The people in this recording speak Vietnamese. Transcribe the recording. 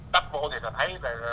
tắp vô thì ta thấy